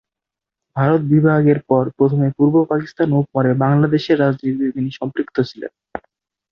ভারত বিভাগের পর প্রথমে পূর্ব পাকিস্তান ও পরে বাংলাদেশের রাজনীতিতে তিনি সম্পৃক্ত ছিলেন।